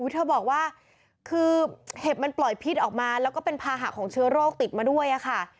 เฮ้บมันปล่อยพิษออกมาแล้วก็เป็นภาหาของเชื้อโรคติดมาด้วยค่ะ